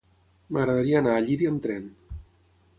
M'agradaria anar a Llíria amb tren.